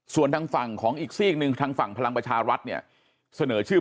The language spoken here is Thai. ส่วนทางฝั่งของอีกซีกหนึ่งทางฝั่งพลังประชารัฐเนี่ยเสนอชื่อ